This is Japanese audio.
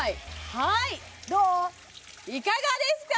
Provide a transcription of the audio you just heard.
はいいかがですか？